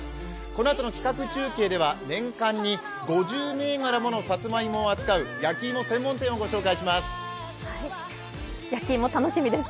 このあとの企画中継では年間に５０銘柄ものさつまいもを扱う焼き芋専門店をご紹介します。